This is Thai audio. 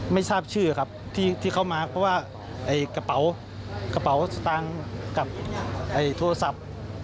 ไม่ทราบชื่อครับที่เขามาเพราะว่ากระเป๋ากระเป๋าสตางค์กับโทรศัพท์